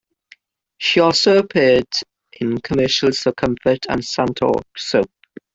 She also appeared in commercials for Comfort and Santoor Soap.